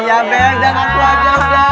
ya bel dan aku aja